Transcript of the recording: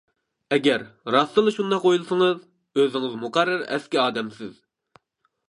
ئەگەر، راستتىنلا شۇنداق ئويلىسىڭىز، ئۆزىڭىز مۇقەررەر ئەسكى ئادەمسىز.